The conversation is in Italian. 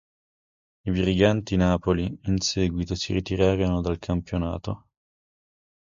I Briganti Napoli in seguito si ritirano dal campionato.